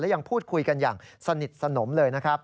ยังพูดคุยกันอย่างสนิทสนมเลยนะครับ